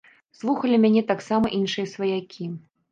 Слухалі мяне таксама іншыя сваякі.